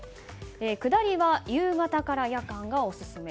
下りは夕方から夜間がオススメ。